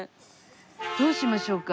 どうしましょうか？